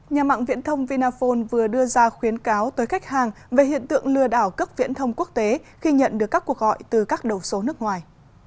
nhà mạng viễn thông vinaphone vừa đưa ra khuyến cáo tới khách hàng về hiện tượng lừa đảo cấp viễn thông quốc tế khi nhận được các cuộc gọi từ các đầu số nước ngoài